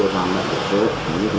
itu secara regional kecuali jawa